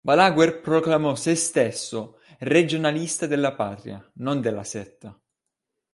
Balaguer proclamò sé stesso “regionalista della patria, non della setta”.